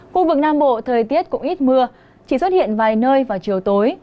khu vực nam bộ thời tiết cũng ít mưa chỉ xuất hiện vài nơi vào chiều tối